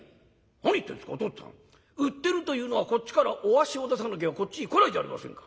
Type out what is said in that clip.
「何言ってんですかお父っつぁん売ってるというのはこっちからお足を出さなきゃこっちへ来ないじゃありませんか。